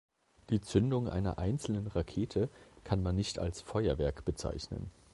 Die Zündung einer einzelnen Rakete kann man nicht als Feuerwerk bezeichnen.